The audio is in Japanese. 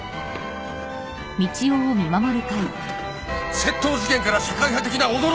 「窃盗事件から社会派的な驚きの展開！」